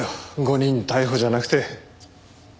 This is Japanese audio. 誤認逮捕じゃなくて。